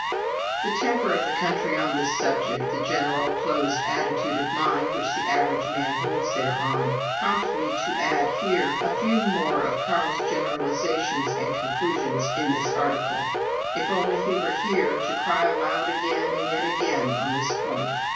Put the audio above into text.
The temper of the country on this subject, the general closed attitude of mind which the average man holds thereon, prompt me to add here a few more of Carl's generalizations and conclusions in this article. If only he were here, to cry aloud again and yet again on this point!